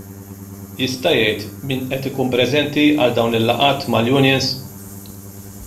Jista' jgħid min qed ikun preżenti għal dawn il-laqgħat mal-unions?